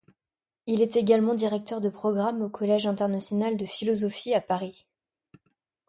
Il est également directeur de programme au Collège International de Philosophie à Paris.